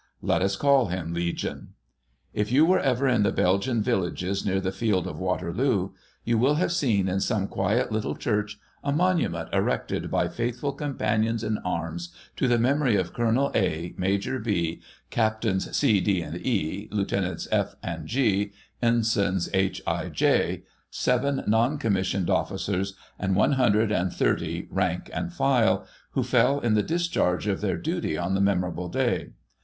Let us call him Legion. If you were ever in the Belgian villages near the field of Waterloo, you will have seen, in some quiet little church, a monu ment erected by faithful companions in arms to the memory of Colonel A, Major B, Captains C, D and E, Lieutenants F and G, Ensigns H, I and J, seven non commissioned officers, and one hundred and thirty rank and file, who fell in the discharge of their duty on the memorable day.